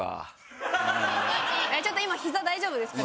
ちょっと今ヒザ大丈夫ですか？